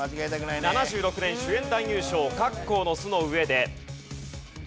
７６年主演男優賞『カッコーの巣の上で』。